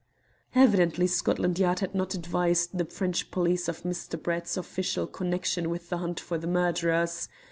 Evidently Scotland Yard had not advised the French police of Mr. Brett's official connection with the hunt for the murderers.